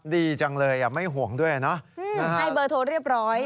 ดีจังเลยไม่ห่วงด้วยนะให้เบอร์โทรเรียบร้อย